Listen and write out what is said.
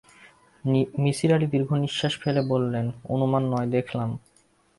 নিসার আলি দীর্ঘনিঃশ্বাস ফেলে বললেন, অনুমান নয়, দেখলাম।